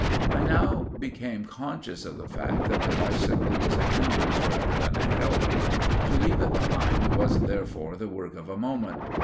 I now became conscious of the fact that the bicycle was a hindrance rather than a help. To leave it behind was, therefore, the work of a moment.